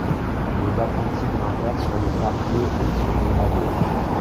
Les apprentis grimpèrent sur le fardier et sur des ballots.